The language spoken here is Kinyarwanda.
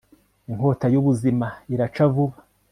Inkota yubuzima iraca vuba